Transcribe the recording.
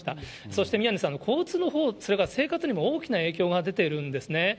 そして、宮根さん、交通のほう、それから生活にも大きな影響が出ているんですね。